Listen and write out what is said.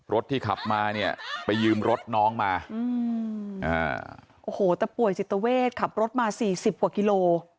รถที่ขับมาเนี่ยไปยืมรถน้องมาโอ้โหแต่ป่วยจิตเวทขับรถมาสี่สิบกว่ากิโล